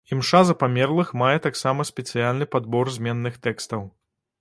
Імша за памерлых мае таксама спецыяльны падбор зменных тэкстаў.